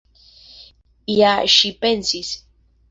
Ja ŝi pensis!